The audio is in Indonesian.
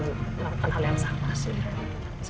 melakukan hal yang sama sih